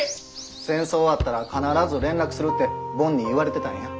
戦争終わったら必ず連絡するてボンに言われてたんや。